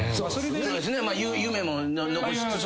夢も残しつつ。